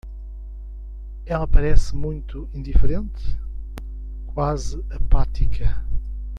Ela parece muito indiferente? quase apática.